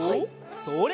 それ！